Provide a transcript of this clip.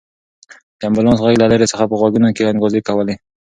د امبولانس غږ له لرې څخه په غوږونو کې انګازې کولې.